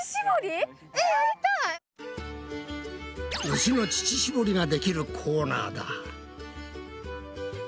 牛の乳しぼりができるコーナーだ！